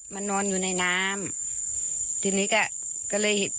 มันนอนอยู่ในน้ำ